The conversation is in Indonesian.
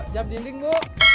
jam dinding bu